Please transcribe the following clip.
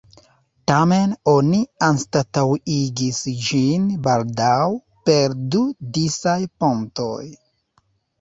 Tamen oni anstataŭigis ĝin baldaŭ per du disaj pontoj.